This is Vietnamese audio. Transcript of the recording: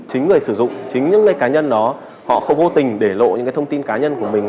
chính người sử dụng chính những cái cá nhân đó họ không vô tình để lộ những thông tin cá nhân của mình